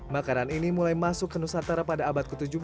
makanan ini mulai masuk ke nusantara pada abad ke tujuh belas